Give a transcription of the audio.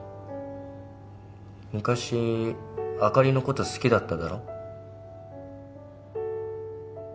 昔あかりのこと好きだっただろ？